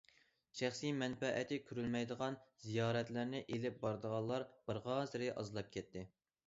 شەخسىي مەنپەئەتى كۆرۈلمەيدىغان زىيارەتلەرنى ئېلىپ بارىدىغانلار بارغانسېرى ئازلاپ كەتتى.